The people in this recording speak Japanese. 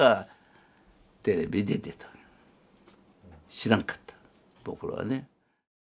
知らんかった僕らはね。